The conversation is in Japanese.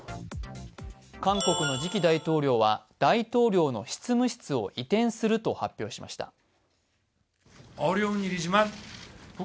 韓国の次期大統領は大統領の執務室を移転すると発表しました。